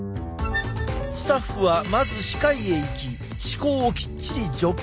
スタッフはまず歯科医へ行き歯垢をきっちり除去。